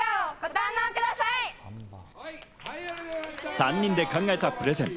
３人で考えたプレゼン。